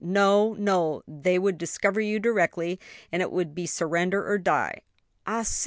"No, no, they would discover you directly, and it would be surrender or die. Ah, see!